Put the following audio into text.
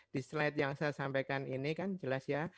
di slide yang saya sampaikan ini kan jelas ya